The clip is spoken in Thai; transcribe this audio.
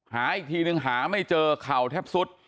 หาอีกทีนึงหาไม่เจอเข่าแทบสุด